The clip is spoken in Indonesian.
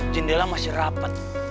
jendela masih rapat